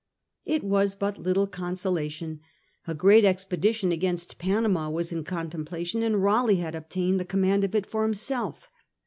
^ It was but little consolation; a great expedition against Panama was in contemplation and Raleigh had obtained the command of it for himself.